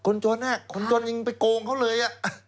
คนจนคนจนยังไปโกงเขาเลย